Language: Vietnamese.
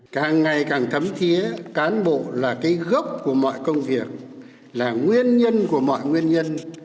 càng ngày càng thấm thiế cán bộ là cái gốc của mọi công việc là nguyên nhân của mọi nguyên nhân